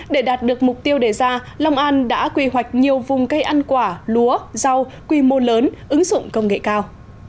để đạt được mục tiêu đề ra long an đã quy hoạch nhiều vùng cây ăn quả lúa rau quy mô lớn ứng dụng công nghệ cao